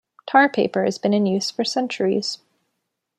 Tar paper has been in use for centuries.